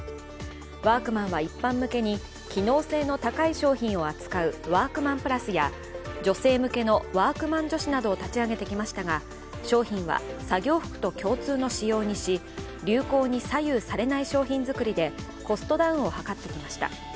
ワークマンは一般向けに機能性の高い商品を扱うワークマンプラスや女性向けのワークマン女子などを立ち上げてきましたが、商品は作業服と共通の仕様にし、流行に左右されない商品作りでコストダウンを図ってきました。